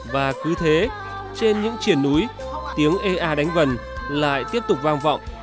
và cứ thế trên những triển núi tiếng ea đánh vần lại tiếp tục vang vọng